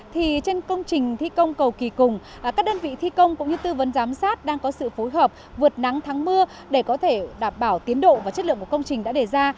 thì trên công trình thi công cầu kỳ cùng các đơn vị thi công cũng như tư vấn giám sát đang có sự phối hợp vượt nắng thắng mưa để có thể đảm bảo tiến độ và chất lượng của công trình đã đề ra